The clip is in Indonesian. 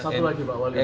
satu lagi pak wali